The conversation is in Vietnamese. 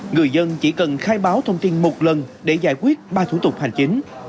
người dân chỉ cần khai báo thông tin một lần để giải quyết ba thủ tục hành chính